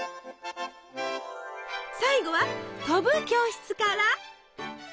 最後は「飛ぶ教室」から！